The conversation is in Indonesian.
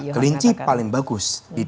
kelinci paling bagus